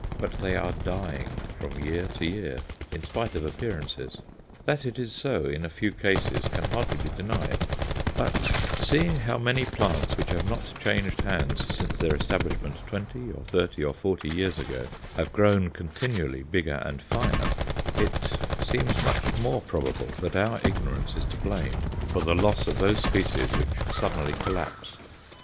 But they are dying from year to year, in spite of appearances. That it is so in a few cases can hardly be denied; but, seeing how many plants which have not changed hands since their establishment, twenty or thirty or forty years ago, have grown continually bigger and finer, it seems much more probable that our ignorance is to blame for the loss of those species which suddenly collapse.